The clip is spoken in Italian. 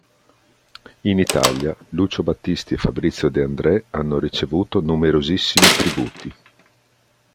In Italia Lucio Battisti e Fabrizio De André hanno ricevuto numerosissimi tributi.